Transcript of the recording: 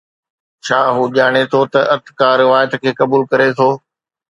ڇا هو ڄاڻي ٿو ته ارتقاء روايت کي قبول ڪري ٿو؟